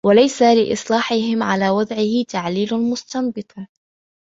وَلَيْسَ لِاصْطِلَاحِهِمْ عَلَى وَضْعِهِ تَعْلِيلٌ مُسْتَنْبَطٌ